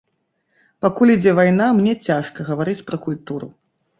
Пакуль ідзе вайна, мне цяжка гаварыць пра культуру.